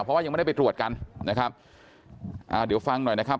เพราะว่ายังไม่ได้ไปตรวจกันนะครับอ่าเดี๋ยวฟังหน่อยนะครับ